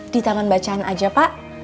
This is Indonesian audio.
di tangan bacaan aja pak